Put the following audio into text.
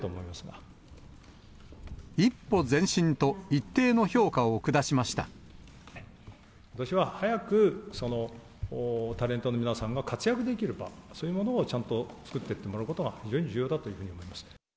一歩前進と、一定の評価を下私は早く、そのタレントの皆さんが活躍できる場、そういうものをちゃんと作ってってもらうことが、非常に重要だというふうに思います。